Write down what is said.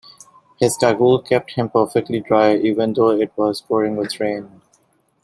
His cagoule kept him perfectly dry even though it was pouring with rain